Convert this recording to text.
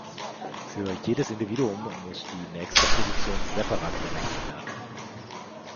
Für jedes Individuum muss die nächste Position separat berechnet werden.